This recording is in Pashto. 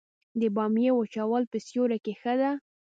د بامیې وچول په سیوري کې ښه دي؟